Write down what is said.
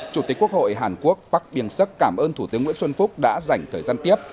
chủ tịch quốc hội hàn quốc bắc biên sắc cảm ơn thủ tướng nguyễn xuân phúc đã dành thời gian tiếp